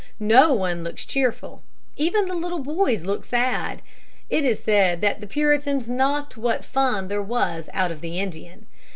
No one looks cheerful. Even the little boys look sad. It is said that the Puritans knocked what fun there was out of the Indian.